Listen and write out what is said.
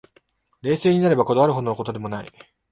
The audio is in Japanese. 冷静になれば、こだわるほどの事でもない